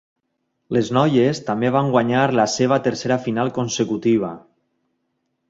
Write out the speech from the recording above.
Les noies també van guanyar la seva tercera final consecutiva.